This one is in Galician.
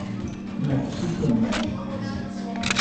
Necesito un médico.